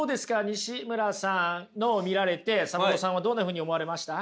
にしむらさんのを見られてサブローさんはどんなふうに思われました？